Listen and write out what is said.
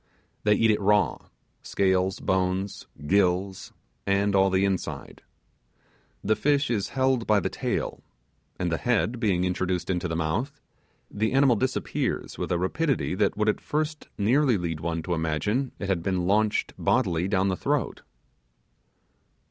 They eat it raw; scales, bones, gills, and all the inside. The fish is held by the tail, and the head being introduced into the mouth, the animal disappears with a rapidity that would at first nearly lead one to imagine it had been launched bodily down the throat.